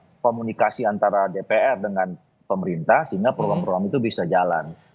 bagaimana komunikasi antara dpr dengan pemerintah sehingga program program itu bisa jalan